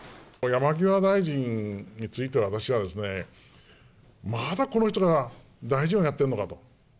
山際大臣については、私はですね、まだこの人が大臣をやってるのかと。